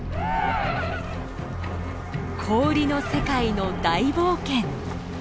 氷の世界の大冒険。